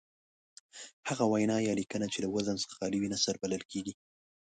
هغه وینا یا لیکنه چې له وزن څخه خالي وي نثر بلل کیږي.